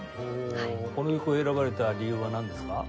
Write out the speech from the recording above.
ほうこの曲を選ばれた理由はなんですか？